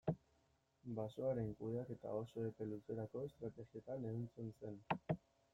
Basoaren kudeaketa oso epe luzerako estrategietan ehuntzen zen.